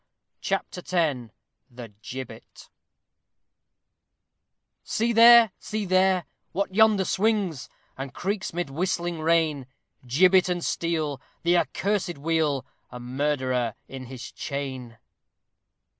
CHAPTER X THE GIBBET See there, see there, what yonder swings And creaks 'mid whistling rain, Gibbet and steel the accursed wheel A murderer in his chain.